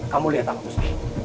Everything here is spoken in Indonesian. kamu lihat pak musti